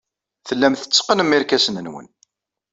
Tellam tetteqqnem irkasen-nwen.